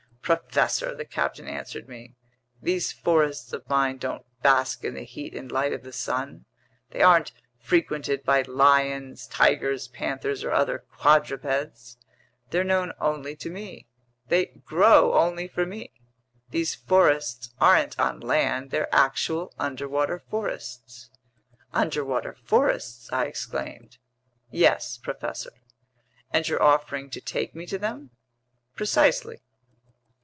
"Professor," the captain answered me, "these forests of mine don't bask in the heat and light of the sun. They aren't frequented by lions, tigers, panthers, or other quadrupeds. They're known only to me. They grow only for me. These forests aren't on land, they're actual underwater forests." "Underwater forests!" I exclaimed. "Yes, professor." "And you're offering to take me to them?" "Precisely."